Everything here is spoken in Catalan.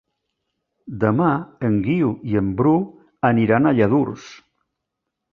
Demà en Guiu i en Bru aniran a Lladurs.